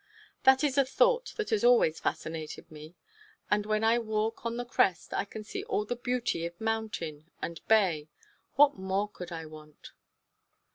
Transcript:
That is a thought that has always fascinated me. And when I walk on the crest I can see all the beauty of mountain and bay. What more could I want?